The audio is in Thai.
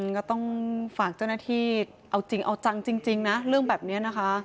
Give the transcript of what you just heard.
ก็ต้องฝากเจ้าหน้าที่เอาจริงเอาจังจริงนะเรื่องแบบนี้นะคะ